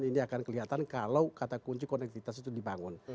ini akan kelihatan kalau kata kunci konektivitas itu dibangun